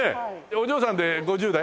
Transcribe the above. お嬢さんで５０代？